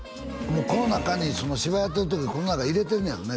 もうこの中に芝居やってる時この中入れてんねやろね